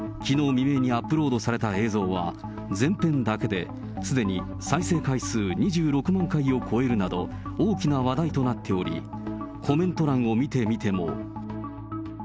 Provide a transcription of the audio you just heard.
未明にアップロードされた映像は、全編だけですでに再生回数２６万回を超えるなど大きな話題となっており、コメント欄を見てみても。